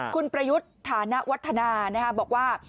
คุณประยุทธ์ฐานวัฒนาบอกว่า